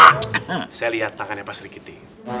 tentang apaan pak rikiti